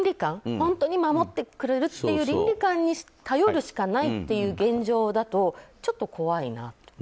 本当に守ってくれるという倫理観に頼るしかないという現状だと、ちょっと怖いなと。